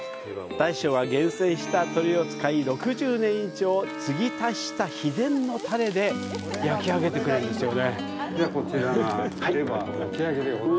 大将が厳選した鶏を使い、６０年以上、継ぎ足した秘伝のタレで焼き上げてくれるんですよね。